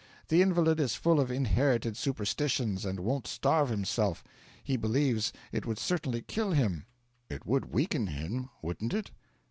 The invalid is full of inherited superstitions and won't starve himself. He believes it would certainly kill him.' 'It would weaken him, wouldn't it?'